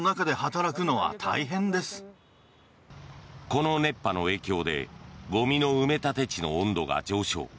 この熱波の影響でゴミの埋め立て地の温度が上昇。